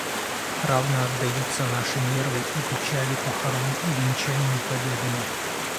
Равно отдаются наши нервы и печали похорон и венчанию победами.